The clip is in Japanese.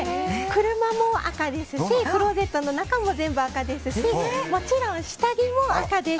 車も赤ですしクローゼットの中も全部赤ですしもちろん下着も赤です。